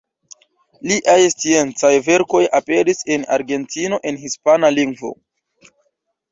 Liaj sciencaj verkoj aperis en Argentino en hispana lingvo.